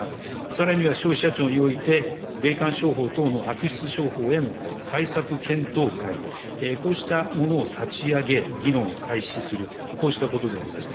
さらには消費者庁において、霊感商法等の悪質商法への対策検討会、こうしたものを立ち上げ、議論を開始する、こうしたことであります。